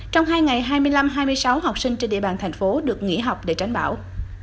trong hai ngày hai mươi năm hai mươi sáu học sinh trên địa bàn thành phố được nghỉ học để tránh bão